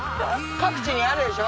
各地にあるでしょ。